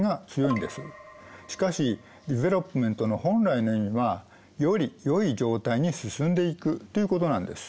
しかしＤｅｖｅｌｏｐｍｅｎｔの本来の意味はより良い状態に進んでいくということなんです。